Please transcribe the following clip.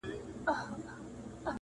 اوس به څنګه پر اغزیو تر منزل پوري رسیږي-